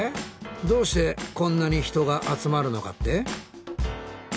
どうしてこんなに人が集まるのかって？